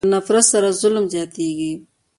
په نفرت سره ظلم زیاتېږي.